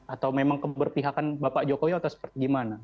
atau memang keberpihakan bapak jokowi atau seperti gimana